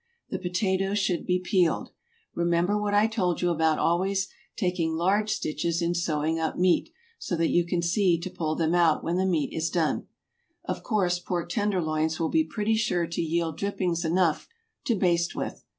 The potatoes should be peeled. Remember what I told you about always taking large stitches in sewing up meat, so that you can see to pull them out when the meat is done. Of course, pork tenderloins will be pretty sure to yield drippings enough to baste with.